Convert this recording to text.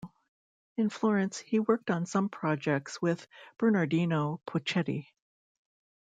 In Florence, he worked on some projects with Bernardino Poccetti.